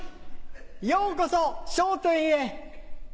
ようこそ『笑点』へ。